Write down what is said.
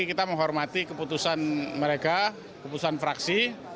kita menghormati keputusan mereka keputusan fraksi